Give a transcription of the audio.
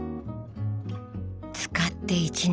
使って１年。